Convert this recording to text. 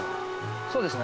そうですね。